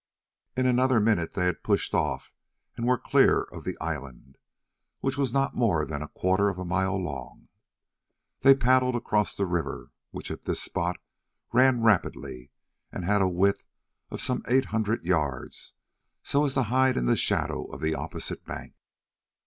In another minute they had pushed off and were clear of the island, which was not more than a quarter of a mile long. They paddled across the river, which at this spot ran rapidly and had a width of some eight hundred yards, so as to hide in the shadow of the opposite bank.